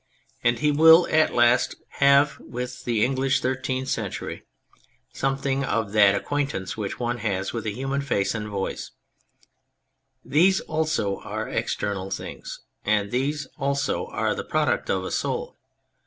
And he will at last have with the English Thirteenth Century something of that acquaintance which one has with a human face and voice : these also are external things, and these also are the product of a soul.